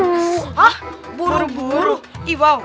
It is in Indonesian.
hah buru buru ih wow